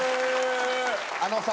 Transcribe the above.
あのさ。